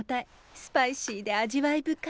スパイシーで味わい深い。